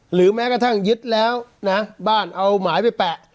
หรือแม้กระทั่งยึดแล้วนะบ้านเอาหมายไปแปะ